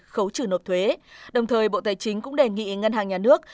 khấu trừ nộp thuế đồng thời bộ tài chính cũng đề nghị ngân hàng nhà nước